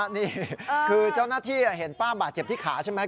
นี่คือเจ้าหน้าที่เห็นป้าบาดเจ็บที่ขาใช่ไหม